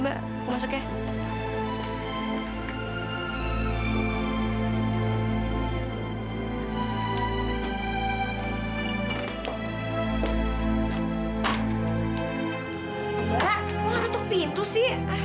mbak kenapa ketuk pintu sih